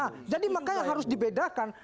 nah jadi makanya harus dibedakan